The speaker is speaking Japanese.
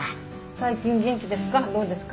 最近元気ですか？